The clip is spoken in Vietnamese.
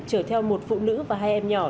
chở theo một phụ nữ và hai em nhỏ